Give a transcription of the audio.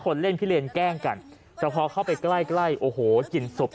คนเล่นพิเลนแกล้งกันแต่พอเข้าไปใกล้ใกล้โอ้โหกลิ่นศพ